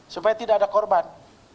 supaya tidak ada korban